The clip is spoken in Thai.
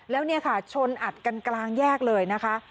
แล้วเนี่ยค่ะชนอัดกันกลางแยกเลยนะคะ